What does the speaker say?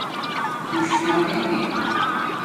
دُشمنݣے